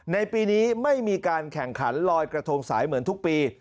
ในปีนี้ไม่มีการแข่งขันลอยกระทงสายเหมือนทุกปี